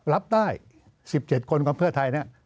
รับได้๑๗คนความเพื่อไทย